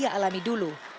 dan ia alami dulu